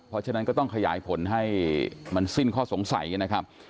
เพราะฉะนั้นก็ต้องขยายผลให้มันสิ้นข้อสงสัยนะครับ